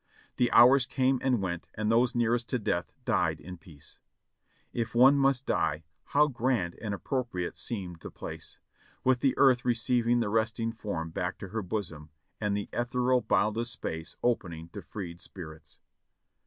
The hours came and went and those nearest to death died in peace. 548 JOHNNY REB AND EILLY YANK If one must die, how grand and appropriate seemed the place, with the earth receiving the resting form back to her bosom and the ethereal, boundless space opening to freed spirits.